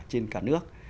trên cả nước